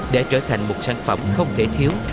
để trở thành một sản phẩm không thể thiếu